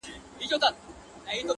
څښل مو تويول مو شرابونه د جلال؛